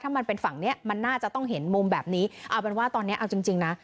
มันเป็นฝั่งเนี้ยมันน่าจะต้องเห็นมุมแบบนี้เอาเป็นว่าตอนนี้เอาจริงจริงนะ